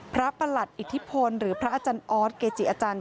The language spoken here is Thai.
ประหลัดอิทธิพลหรือพระอาจารย์ออสเกจิอาจารย์